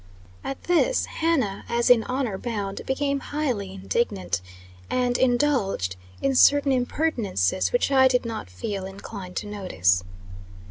At this Hannah, as in honor bound, became highly indignant, and indulged in certain impertinences which I did not feel inclined to notice.